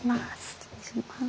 失礼します。